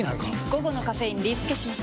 午後のカフェインリスケします！